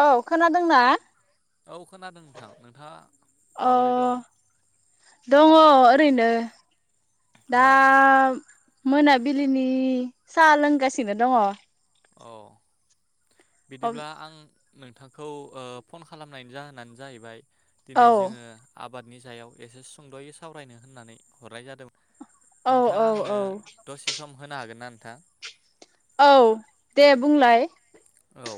औ, खोनादोंना? औ खोनादों नोंथां नोंथाङा अ माबोरै दं? दङ ओरैनो दा अ मोनाबिलिनि साहा लोंगासिनो दङ। औ। बिदिब्ला आं नोंथांखौ ओ फन खालामनायनि जाहोनानो जाहैबाय दिनै औ जोङो आब बादनि सायाव एसे सुंद'यै सावरायनो होननानै हरनाय जादों औ नोंथाङा आंनो औ दसे सम होनो हागोन ना थां। औ दे बुंलाय। औ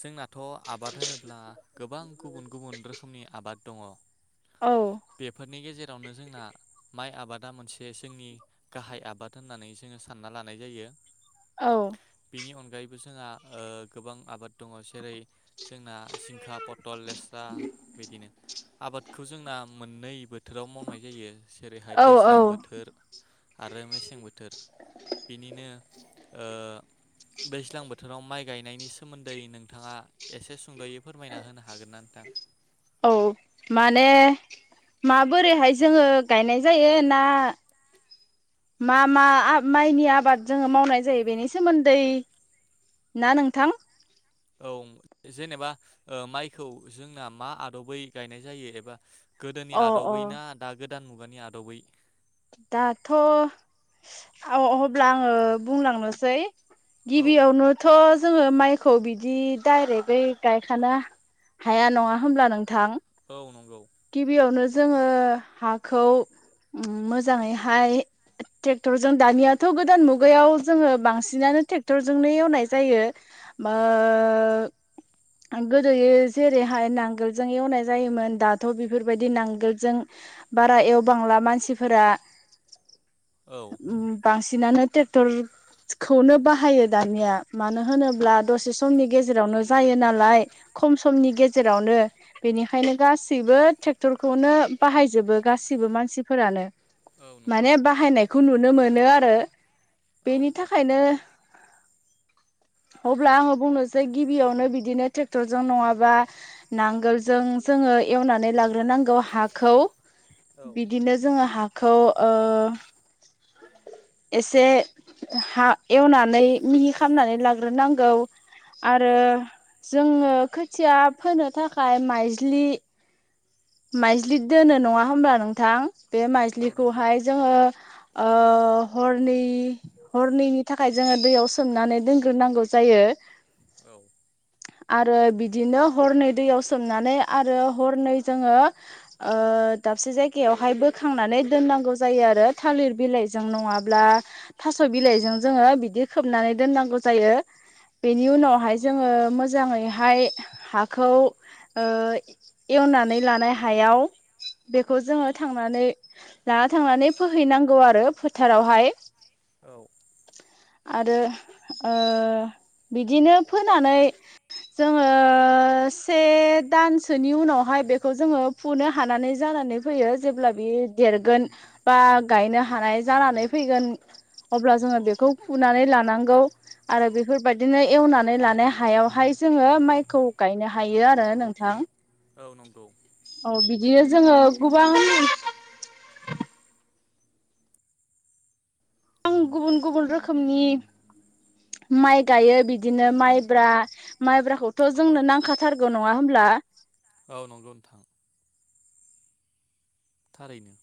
जोंना थ' आबाद होनोब्ला गोबां गुबुन गुबुन रोखोमनि आबाद दङ औ बेफोरनि गेजेराव जोंना माइ आबादा मोनसे जोंनि गाहाय आबाद होननानै जोङो सानना लानाय जायो औ बिनिअनगायैबो जोंहा ओ गोबां आबाद दङ जेरै जोंना जिंखा पटल लेस्रा बिदिनो आबादखौ जोंना मोननै बोथोराव मावनाय जायो जेरैहाय औ दैज्लां औ बोथोर आरो मेसें बो बोथोर बिनिनो ओ दैज्लां बोथोराव माइ गायनायनि सोमोन्दै नोंथाङा एसे सुंद'यै फोरमायना होनो हागोन ना नोंथां औ माने माबोरैहाय जोङो गायनाय जायो ना मा मा माइनि आबाद जोङो मावनाय जायो बेनि सोमोन्दै ना नोंथां औ जेनेबा माइखौ जोंना मा आदबै गायनाय जायो एबा गोदोनि अ अ आदबै ना दा गोदो गोदान मुगानि आदबै दाथ' अब्ला आङो बुंलांनोसै औ गिबियावनोथ जोङो माइखौ बिदि दडाइरेक्टै गायखानो हाया नङा होमब्ला नोंथां औ नंगौ गिबियावनो जोङो हाखौ मोजाङैहाय ट्रेक्टरजों दानियाथ' गोदान मुगायाव जोङो बांसिनानो ट्रेक्टरजोंनो एवनाय जायो औ ओ गोदो जेरैहाय नांगोलजों एवनाय जायोमोन द थ' बेफोरबायदि नांगोलजों बारा एवबांला मानसिफोरा औ बांसिनानो ट्रेक्टरखौनो बाहायो दानिया मानो होनोब्ला दसे समनि गेजेरावनो जायो नालाय खम समनि गेजेरावनो बेनिखायनो गासैबो बो ट्रेक्टरखौनो बाहायजोबो गाससिबो मानसिफोरानो औ नंगौ माने बाहाय नाय बेखौ नुनो मोनो आरो औ बेनि थाखायनो अब्ला आङो बुंनोसै गिबियावनो बिदिनो ट्रेक्टरजों नङाबा नांगोलजों जोङो एवनानै लाग्रोनांगौ हा खौ बिदिनो जोङो हाखौ ओ एसे हा एवनानै मिहि खालामनानै लाग्रोनांगौ औ आरो जों खोथिया फोनो थाखाय माइज्लि माइज्लि दोनो नङा होनबा नोंथां। बे औ नंगौ माइस्लिखौहाय जोङो ओ हरनै हरनैनि थाखाय जोङो दैयाव सोमनानै दोनग्रोनांगौ जायो। औ। आरो बिदिनो हरनै दैयाव सोमनानै आरो हरनै जोङो ओ दाबसे जायगायावहाय बोखांनानै दोननांगौ जायो आरो थालिर बिलाइजों नङाब्ला थास' बिलाइजों जोङो बिदि खोबनानै दोननांगौ जायो। बेनि औ उनावहाय नंगौ जोङो मोजाङै हाय हाखौ ओ एवनानै लानाय हायाव बेखौ जोङो थांनानै लाना थांनानै फोहैनांगौ आरो फोथारावहाय। औ। आरो ओ बिदिनो फोनानै जोङो से दानसोनि उनावहाय बेखौ बेखौ जोङो फुनो हानानै जानानै फैयो जेब्ला बे देरगोन बा गायनो हानाय जानानै फैगोन अब्ला जोङो बेखौ फुनानै लानांगौ आरो बेफोरबायदिनो एवनानै लानाय हायावहाय जोङो माइखौ गायनो हायो आरो नोंथां। औ नंगौ। बियो जोङो गोबां गुबुन गुबुन रोखोमनि माइ गायो बिदिनो माइब्रा माइब्राखौ थ औ जोंनो नांखाथारगोन नङा होमब्ला। औ नंगौ नोंथां। थारैनो।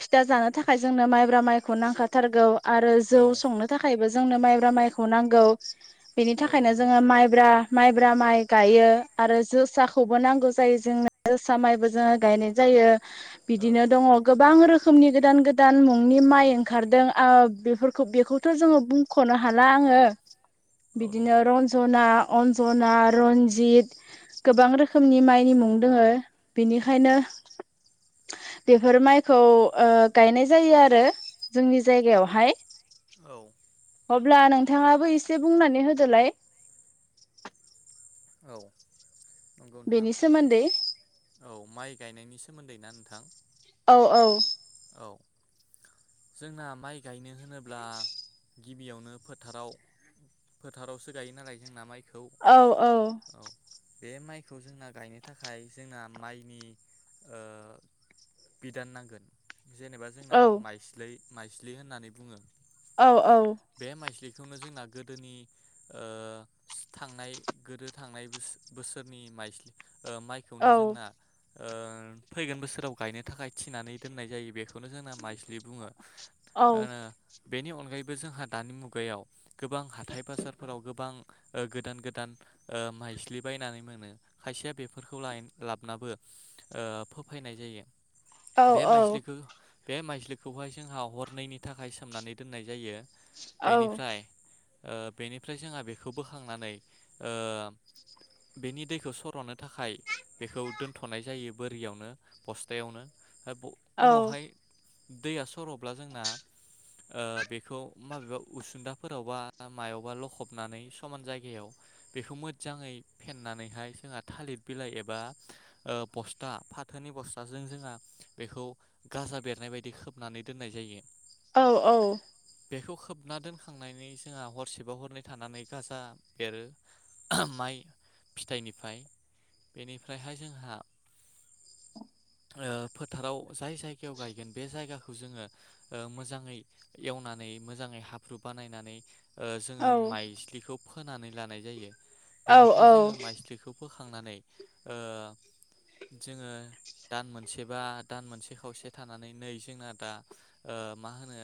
फिथा जानो थाखाय जोंनो माइब्रा माइखौ नांखाथारगौ। आरो जौ औ संनो थाखायबो जोंनो माइब्रा माइखौ नांगौ। बेनि औ थाखायनो नंगौ जोङो माइब्रा माइब्रा माइ गायो आरो जोसाखौबो नांगौ जायो जोंनो जोसा माइबो जोङो गायनाय जायो। औ बिदिनो दङ गोबां रोखोमनि गोदान गोदान मुंनि माइ ओंखारदों ओ बेफोरखौ बेखौथ' जोङो बुंखनो हाला आङो। औ बिदिनो नंगौ रन्जना अन्जना, रनजित गोबां रोखोमनि माइनि मुं दोङो बिनिखायनो बेफोर माइ खौ ओ गायनाय जायो आरो जोंनि जायगायावहाय। औ। अब्ला नोंथाङाबो एसे बुंनानै होदोलाय। औ। नंगौ नोंथां बेनि सोमोन्दै औ माइ गायनायनि सा सोमोन्दै ना नोंथां। औ औ। औ जोंना माइ गायनो होनोब्ला गिबियावनो फोथाराव फोथारावसो गायो नालाय जोंना माइ औ औ। बे माइखौ जोंना गायनो थाखाय जोंना माइनि ओ बिदान नांगोन। जेनेबा जोंना औ माइस्लाय माइस्लि होननानै बुङो औ औ खौनो जोंना गोदोनि ओ स थांनाय गोदो थांनाय बोसो-बोसोरनि माइस्लि ओ औ माइखौनो जोंना ओ फैगोन बोसोराव गायनो थाखाय थिनानै दोननाय जायो बेखौनो जोंना माइस्लि बुङो। औ ओ बेनि अनगायैबो जोंहा दानि मुगायाव गोबां हाथाय बाजारफोराव गोबां ओ गोदान गोदान ओ माइस्लि बायनानै मोनो खायसेया बेफोरखौ लाय लाबनाबो ओ फोफायनाय जायो। औ बे माइस्लिखो बे माइज्लिखौहाय जोंहा हरनैनि थाखाय सोमनानै दोननाय जायो। औ बेनिफ्राय बेनिफ्राय जोंहा बेखौ बोखांनानै ओ बेनि दैखौ सर'नो थाखाय बेखौ दोनथ'नाय जायो बोरियावनो बस्थायावनो। [unintelligible] औ उनावहाय दैया सर'ब्ला जोंना ओ बेखौ माबेबा उसुदाफोरावबा मायावबा लखबनानै समान जायगायाव बेखौ मोजाङै फेनानैहाय जोंहा थालिर बिलाइ एबा बस्था फाथोनि बस्थाजों जोंहा बेखौ गाजा बेरनाय बायदि खोबनानै दोननाय जायो। औ औ बेखौ खोबना दोनखांनानै जोंहा हरसेबाव हरनै थानानै गाजा बेरो माइ फिथाइनिफ्राय बेनिफ्रायहाय जोंहा फोथाराव जाय जायगायाव गायगोन बे जायगाखौ जोङो मोजाङै एवनानै मोजाङै हाब्रु बानायनानै औ जोङो माइस्लिखौ फोनानै लानाय जायो। बेनिफ्राय जोङो माइस्लिखौ बो खांनानै ओ जोंङो दान मोनसे बा दान मोनसे खावसे थांनानै नै जोंना दा मा होनो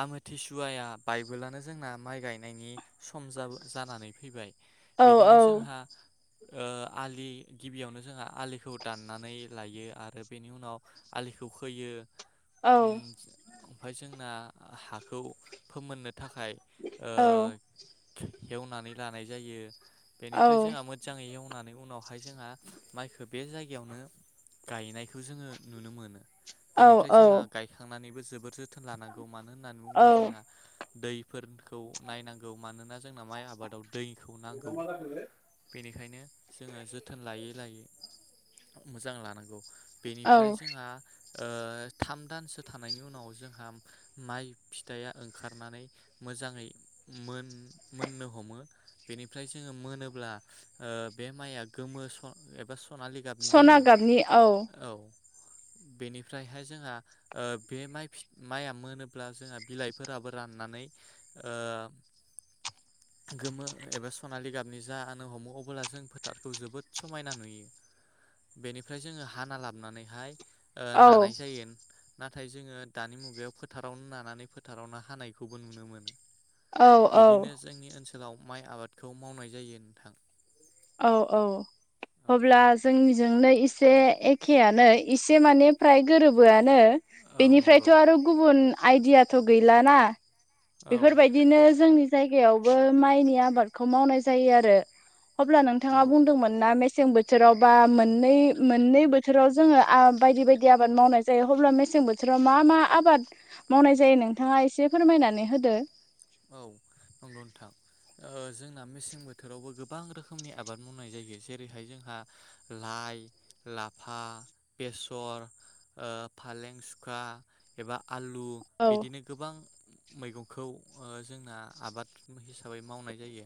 आमथिसुवा बायबोलानो जोंना माइ गाय नायनि सम जाबो जानानै फैबाय। बिदिनो जोंहा आलि गिबियावनो जोंहा आलिखौ दाननानै लायो आरो बेनि उनाव आलिखौ खोयो। उम ओमफ्राय जोंना हाखौ फोमोननो थाखाय ओ औ हेवनानै लानाय जायो बेनिफ्राय जोंहा मोजाङै एवनानै नि उनावहाय जोंहा माइखो बे जायगायावनो गायनायखौ जोङो नुनो मोनो। बेनिफ्राय औ जोंहा गायखांनानै जोबोर जोथोन लानांगौ मा नो होननानै औ बुङोब्ला जोंना दैफोर खौ नायनांगौ मानोना जोंना माइ आबादाव दैखौ नांगौ बेनिखायनो जोङो जोथोन लायै लायै मोजां लानांगौ। औ बेनिफ्राय जोंहा ओ थाम दानसो थानायनि उनाव जोंहा माइ फिथाइया ओंखारनानै मोजाङै मोन मोननो हमो बेनिफ्राय जोङो मोनोब्ला ओ बे माइया गोमो स एबा स स'नालि गाबनि सना जायो। गाबनि औ बेनिफ्रायहाय जोंहा ओ बे फि माइआ मोनोब्ला जोंहा बिलाइफोराबो राननानै ओ गोमो एबा सनालि गाबनि जानो हमो अब्ला जों फोथारखौ जोबोद समायना नुयो बेनिफ्राय जोङो हाना लाबनानैहाय ओ औ नानाय जायो। नाथाय जोङो दानि मुगायाव फोथारावनो नानानै फोथारावनो हानायखौ बो नुनो मोनो। औ बिदिनो जोंनि ओनसोलाव माइ आबादखौ मावनाय जायो नोंथां। औ औ अब्ला जोंनिजोंनो इ से एखेयानो एसे माने फ्राय गोरोबोआनो। औ नंगौ बेनिफ्रायथ' आरो गुबुन आइदियाथ' गैलाना औ बेफोरबायदिनो जोंनि जायगायावबो माइनि आबादखौ मावनाय जायो आरो अब्ला नोंथाङा औ बुंदोंमोन ना मेसें बो थोराव बा मोननै मोननै बोथोराव जोङो आ बायदि बायदि आबाद मावनाय जायो अब्ला मेसें बोथोराव मा मा आबाद मावनाय जायो नोंथाङा एसे फोरमायनानै होदो। औ नंगौ नोंथां ओ जोंना मेसें बोथोरावबो गोबां रोखोमनि आबाद मावनाय जायो जेरैहाय जोंहा लाइ, लाफा, बेसर ओ फालें, सुखा एबा आलु औ बिदिनो गोबां मैगंखौ ओ जोंना आबाद हिसाबै मावनाय जायो।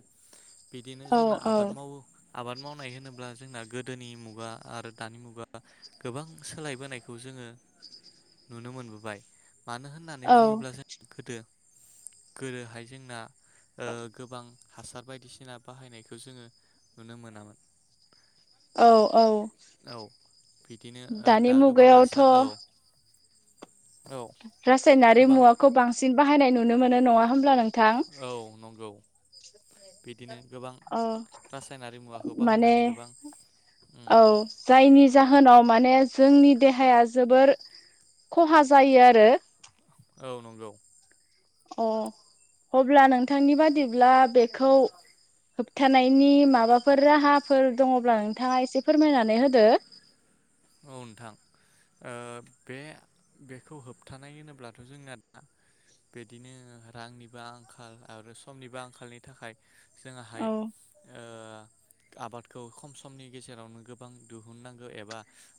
बिदिनो औ जोंना औ आबाद मावो आबाद मावनाय होनोब्ला जोंना गोदोनि मुगा आरो दानि मुगा गोबां सोलायबोनायखौ जोङो नुनो मोनबोबाय। मानो होननानै औ बुङोब्ला जों गोदो गोदोहाय जोंना ओ गोबां हासार बायदिसिना बाहायनायखौ जोङो नुनो मोनामोन। औ औ औ बिदिनो ओ दानि दा गोबां हासार औ मुगायावथ' औ रासायनारि गोबां मुवाखौ बांसिन बाहायनाय नु नो नङा हो ब्ला नोंथां? औ नंगौ बिदिनो गोबां औ रासायनारि मुवाखौ माने बाहायनानै गोबां उम औ जायनि जाहोनाव माने जोंनि देहाया जोबोर खहा जायो आरो। औ नंगौ। अ अब्ला नोंथांनि बादिब्ला बेखौ होबथानायनि माबाफोर राहाफोर दङब्ला नोंथाङा एसे फोरमायनानै होदो औ नोंथां ओ बे बेखौ होबथानाय होनोब्लाथ' जोंना दा बिदिनो रांनिबो आंखाल आरो समनिबो आंखालनि थाखाय जोंङाहाय औ ओ आबादखौ खम समनि गेजेरावनो गोबां दिहुननांगौ एबा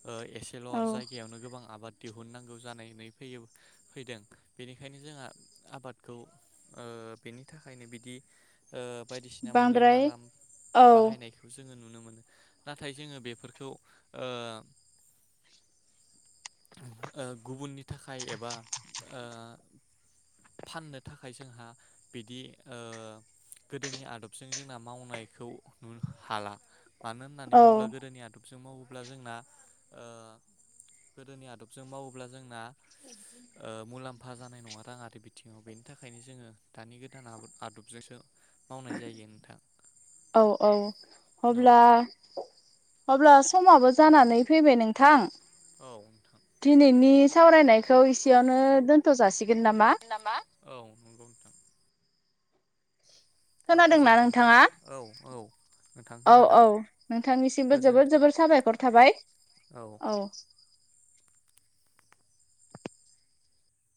ओ एसेल' औ जायगायावनो गोबां आबाद दिहुननांगौ जानाय फैयो फैदों बेनिखायनो जोंहा आबादखौ ओ बेनि थाखायनो बिदि ओ बायदिसिना मुलि बांद्राय मालाम औ बाहायनायखौ जोङो नुनो मोनो नाथाय जोङो बेफोरखौ ओ ओ गुबुननि थाखाय एबा ओ फाननो थाखाय जोंहा बिदि ओ गोदोनि आदबजों जोंना मावनायखौ नुनो हाला मानो होननानै औ बुङोब्ला गोदोनियाथ' जों मावोब्ला जोंना ओ गोदोनि आदबजों मावोब्ला जोंना मुलाम फा जानाय नङा राङारि बिथिङाव बेनि थाखायनो जोङो दानि गोदान आदबजोंसो मावनाय जायो नोंथां औ औ औ अब्ला अब्ला समाबो जानानै फैबाय नोंथां औ दिनैनि सावरायनायखौ इसेयावनो दोन्थ' जासि नामा औ नंगौ नोंथां होमबा खोनादोंना गोजोन्थों नोंथां नोंथाङा औ औ नोंथां औ खोनादों औ नोंथांनिसिमबो जोबोद गोजोन्थों जोबोद साबायखर थाबाय औ